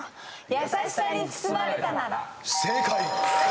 『やさしさに包まれたなら』正解。